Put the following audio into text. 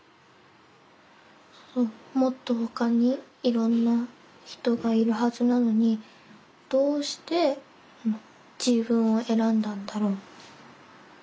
もっとほかにいろんな人がいるはずなのにどうして自分を選んだんだろう？